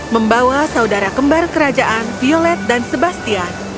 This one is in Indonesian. membawa saudara kembar kerajaan violet dan sebastian